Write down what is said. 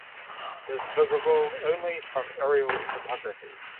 It is visible only from aerial photography.